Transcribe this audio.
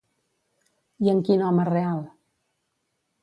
I en quin home real?